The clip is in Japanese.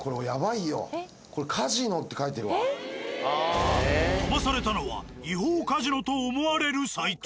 これ飛ばされたのは違法カジノと思われるサイト。